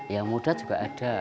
yang muda juga ada